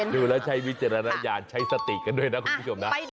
ดูแล้วใช้วิจารณญาณใช้สติกันด้วยนะคุณผู้ชมนะ